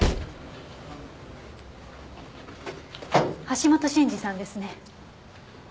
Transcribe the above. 橋本慎二さんですね？